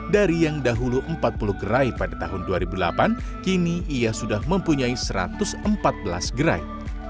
dari yang dahulu empat puluh gerai pada tahun dua ribu delapan kini ia sudah mempunyai satu ratus empat belas gerai